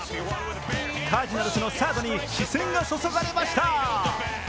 カージナルスのサードに視線が注がれました。